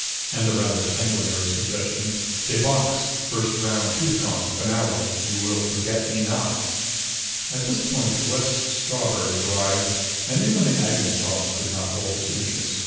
And the rather sanguinary suggestion: DE Box: First round; tooth gone. Finale. You will FORGET ME NOT. At this point West's strawberries arrived and even the Agony Column could not hold his interest.